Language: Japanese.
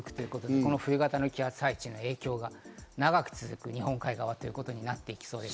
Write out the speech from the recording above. この冬型の気圧配置の影響が長く続く日本海側ということになってきそうです。